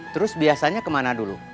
terus biasanya kemana dulu